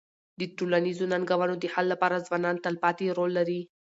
د ټولنیزو ننګونو د حل لپاره ځوانان تلپاتې رول لري.